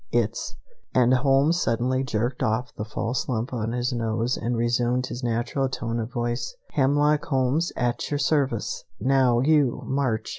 It's," and Holmes suddenly jerked off the false lump on his nose and resumed his natural tone of voice, "Hemlock Holmes, at your service! Now you, march!"